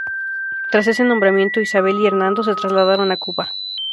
Tras ese nombramiento Isabel y Hernando se trasladaron a Cuba.